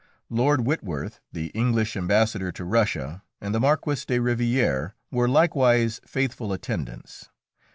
Lord Witworth, the English Ambassador to Russia, and the Marquis de Rivière were likewise faithful attendants.